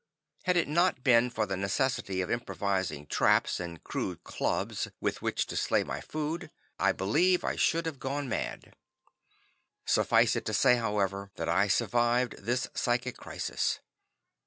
Had it not been for the necessity of improvising traps and crude clubs with which to slay my food, I believe I should have gone mad. Suffice it to say, however, that I survived this psychic crisis.